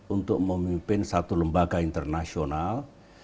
untuk memimpin satu lembaga internasional